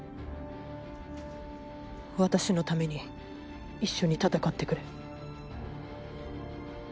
私のために一緒に戦ってくれ。